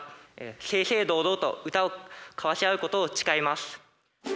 正々堂々と歌を交わし合うことを誓います。